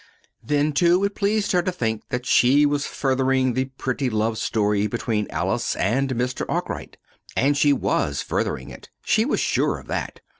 Then, too, it pleased her to think that she was furthering the pretty love story between Alice and Mr. Arkwright. And she was furthering it. She was sure of that.